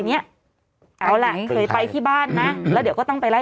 เนี้ยเอาล่ะเคยไปที่บ้านนะแล้วเดี๋ยวก็ต้องไปไล่